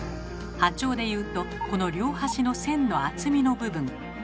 波長でいうとこの両端の線の厚みの部分。